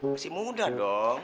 masih muda dong